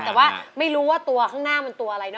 แต่ว่าไม่รู้ว่าตัวข้างหน้ามันตัวอะไรนะ